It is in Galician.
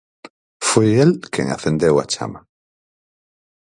Foi el que acendeu a chama.